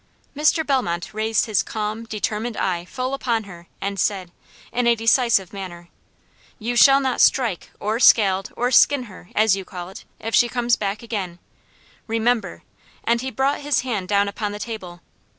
Mr. Bellmont raised his calm, determined eye full upon her, and said, in a decisive manner: "You shall not strike, or scald, or skin her, as you call it, if she comes back again. Remember!" and he brought his hand down upon the table.